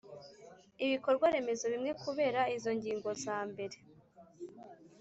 ibikorwaremezo bimwe Kubera izo ngingo zambere